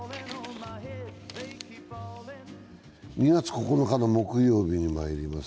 ２月９日の木曜日にまいります。